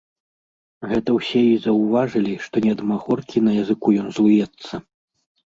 Гэта ўсе і заўважылі, што не ад махоркі на языку ён злуецца.